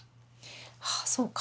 はあそうか。